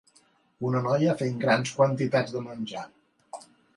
Una noia fent grans quantitats de menjar.